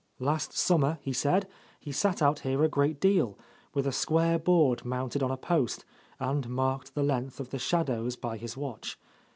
Last summer, he said, he sat out here a great deal, with a square board mounted on a post, and marked the length of the shadows by his watch.